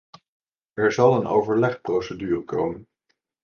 Er zal een overlegprocedure komen.